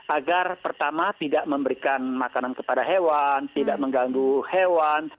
agar pertama tidak memberikan makanan kepada hewan tidak mengganggu hewan